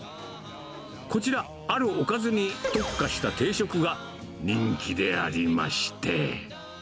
こちら、あるおかずに特化した定食が、人気でありまして。